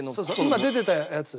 今出てたやつ。